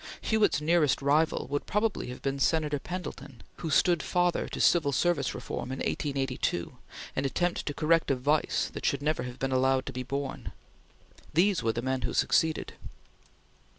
Hewitt's nearest rival would probably have been Senator Pendleton who stood father to civil service reform in 1882, an attempt to correct a vice that should never have been allowed to be born. These were the men who succeeded.